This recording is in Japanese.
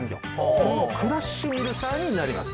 そのクラッシュミルサーになります。